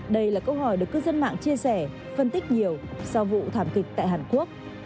đây là câu hỏi được cư dân mạng chia sẻ phân tích nhiều sau vụ thảm kịch tại hàn quốc